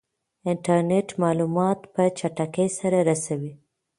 انټرنیټ معلومات په چټکۍ سره رسوي.